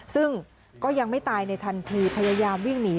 ซึ่งก็ยังไม่ตายในทันทีพยายามวิ่งหนี